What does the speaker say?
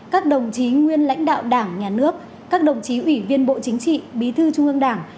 các đồng chí nguyên lãnh đạo đảng nhà nước các đồng chí ủy viên bộ chính trị bí thư trung ương đảng